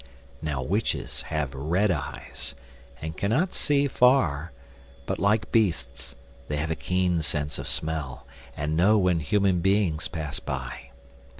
Now witches have red eyes, and cannot see far, but, like beasts, they have a keen sense of smell, and know when human beings pass by.